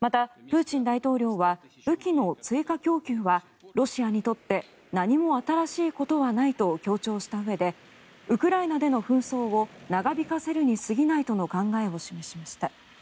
また、プーチン大統領は武器の追加供給はロシアにとって何も新しいことはないと強調したうえでウクライナでの紛争を長引かせるに過ぎないとの考えを示しました。